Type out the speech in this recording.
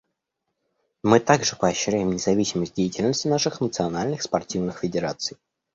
Мы также поощряем независимость деятельности наших национальных спортивных федераций.